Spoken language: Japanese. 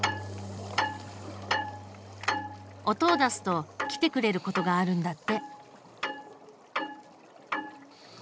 音を出すと来てくれることがあるんだって。